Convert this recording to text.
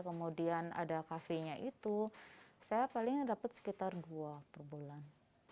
kemudian ada kafenya itu saya paling dapat sekitar dua per bulan